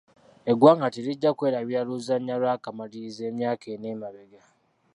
Eggwanga terijja kwerabira luzannya lw'akamalirizo emyaka ena emabega.